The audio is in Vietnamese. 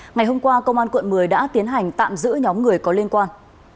ngày hôm qua công an quận một mươi đã tiến hành tạm giữ nhóm người có liên quan